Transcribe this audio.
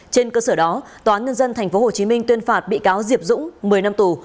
trên cơ sở đó toán nhân dân tp hcm tuyên phạt bị cáo diệp dũng một mươi năm tù